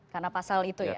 karena pasal itu ya